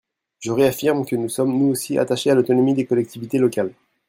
Je réaffirme que nous sommes, nous aussi, attachés à l’autonomie des collectivités locales.